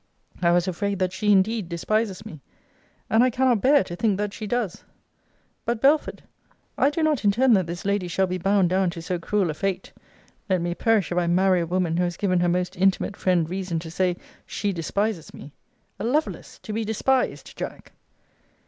I was afraid that she indeed despises me. And I cannot bear to think that she does. But, Belford, I do not intend that this lady shall be bound down to so cruel a fate. Let me perish if I marry a woman who has given her most intimate friend reason to say, she despises me! A Lovelace to be despised, Jack!